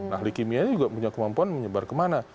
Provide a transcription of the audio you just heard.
nah leukemia ini juga punya kemampuan menyebar kemana